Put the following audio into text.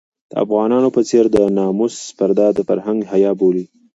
د افغانانو په څېر د ناموس پرده د فرهنګ حيا بولي.